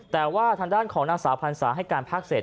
แต่ว่าทางด้านของนางสาวพันธุ์สาวให้การพักเสร็จ